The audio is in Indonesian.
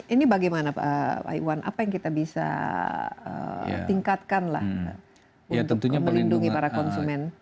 ini bagaimana pak iwan apa yang kita bisa tingkatkan lah untuk melindungi para konsumen